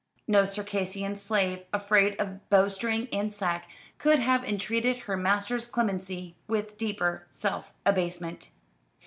No Circassian slave, afraid of bowstring and sack, could have entreated her master's clemency with deeper self abasement.